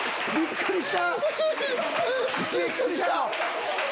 びっくりした！